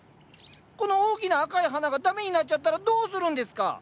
この大きな赤い花がダメになっちゃったらどうするんですか！